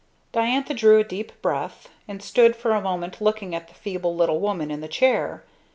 Diantha drew a deep breath and stood for a moment looking at the feeble little woman in the chair.